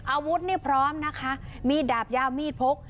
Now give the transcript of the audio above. อาวุธนี่พร้อมนะคะมีดดาบยาวมีดพก